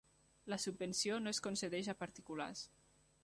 La subvenció no es concedeix a particulars.